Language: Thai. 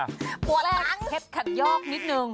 หัวแรกเผ็ดขัดยอกนิดนึง